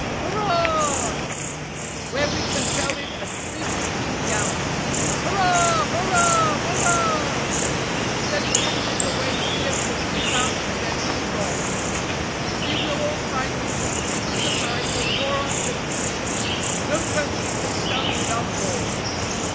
"Hurrah!" "Where we can sell it at three fifteen the ounce." "Hurrah! hurrah! hurrah!" "Instead of giving it away here for three pounds, and then being robbed. If you will all sign, Mr. Stevens and I will draw up the petition; no country can stand without law!"